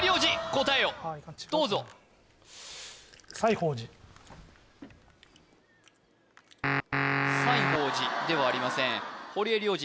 答えをどうぞ西芳寺ではありません堀江亮次